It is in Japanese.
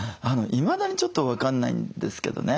いまだにちょっと分かんないんですけどね